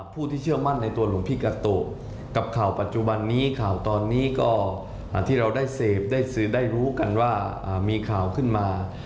ผู้ที่เชื่อมั่นในตัวหลวงพี่กาโตกับข่าวปัจจุบันนี้ข่าวตอนนี้ก็ที่เราได้เสพได้สืบได้รู้กันว่ามีข่าวขึ้นมา